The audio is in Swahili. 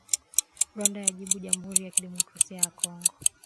Rwanda yajibu Jamuhuri ya Kidemokrasia ya Kongo